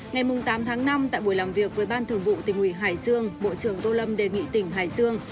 ngày tám tháng năm tại buổi làm việc với ban thường vụ tỉnh ủy hải dương bộ trưởng tô lâm đề nghị tỉnh hải dương